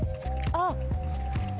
あっ